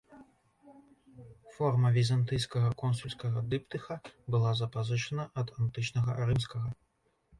Форма візантыйскага консульскага дыптыха была запазычана ад антычнага рымскага.